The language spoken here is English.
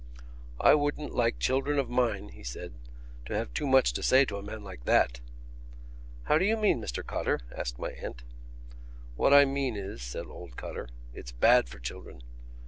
"I wouldn't like children of mine," he said, "to have too much to say to a man like that." "How do you mean, Mr Cotter?" asked my aunt. "What I mean is," said old Cotter, "it's bad for children.